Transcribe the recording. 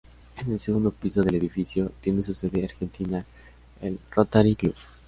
En el segundo piso del edificio, tiene su sede argentina el Rotary Club.